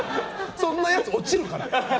そんなやつ落ちるから。